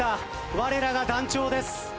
われらが団長です。